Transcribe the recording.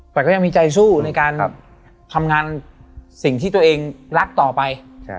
แต่ก็ยังมีใจสู้ในการทำงานสิ่งที่ตัวเองรักต่อไป